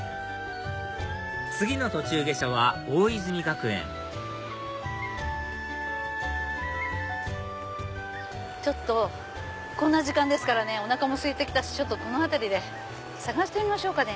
次の途中下車は大泉学園ちょっとこんな時間ですからねおなかもすいてきたしこの辺りで探してみましょうかね。